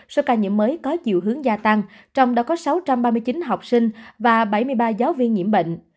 số ca nhiễm mới có chiều hướng gia tăng trong đó có sáu trăm ba mươi chín học sinh và bảy mươi ba giáo viên nhiễm bệnh